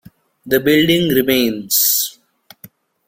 The building remains.